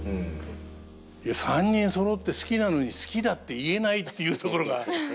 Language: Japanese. いや３人そろって好きなのに「好きだ」って言えないっていうところが。